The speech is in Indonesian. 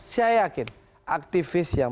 saya yakin aktivis yang